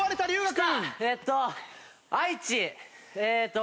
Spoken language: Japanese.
えっと。